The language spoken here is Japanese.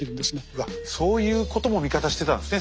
うわっそういうことも味方してたんですね。